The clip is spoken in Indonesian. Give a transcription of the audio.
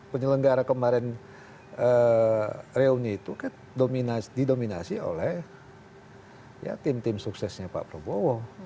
penyelenggara kemarin reuni itu kan didominasi oleh tim tim suksesnya pak prabowo